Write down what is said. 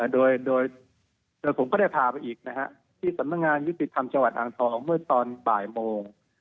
โดยผมก็ได้พาไปอีกที่สำนักงานยุติธรรมจังหวัดอ่างทองเมื่อตอนบ่ายโมง